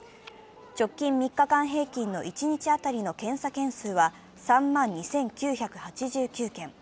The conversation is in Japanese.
直近３日間平均の一日当たりの検査件数は３万２９８９件。